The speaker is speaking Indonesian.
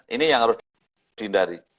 ini yang harus dihindari